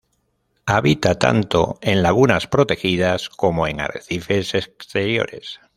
Habita, tanto en lagunas protegidas, como en arrecifes exteriores.